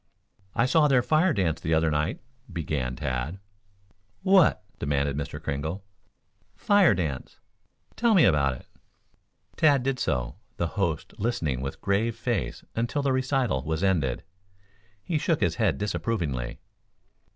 "I saw their fire dance the other night," began Tad. "What?" demanded Mr. Kringle. "Fire dance." "Tell me about it?" Tad did so, the host listening with grave face until the recital was ended. He shook his head disapprovingly.